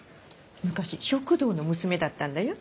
昔食堂の娘だったんだよ。